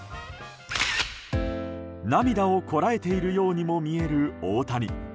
涙をこらえているようにも見える大谷。